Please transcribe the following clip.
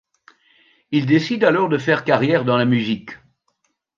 Il décide alors de faire carrière dans la musique.